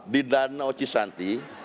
di danau cisanti